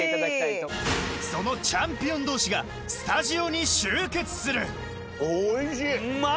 そのチャンピオン同士がスタジオに集結するおいしい！